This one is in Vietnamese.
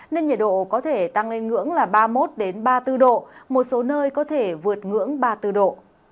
nên nhiệt độ có thể tăng lên ngưỡng là ba mươi một ba mươi bốn độ một số nơi có thể vượt ngưỡng ba mươi bốn độ